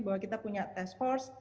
bahwa kita punya task force